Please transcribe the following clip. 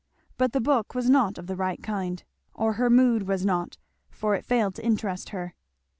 But the book was not of the right kind or her mood was notfor it failed to interest her.